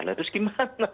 terus gimana kan